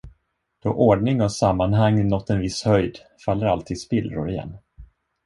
Då ordning och sammanhang nått en viss höjd, faller allt i spillror igen.